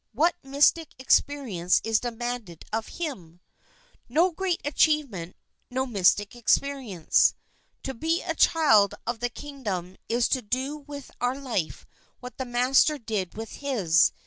What mystic experience is demanded of him ? No great achievement, no mystic experience. To be a child of the King sf dom is to do with our life what the Master did with his.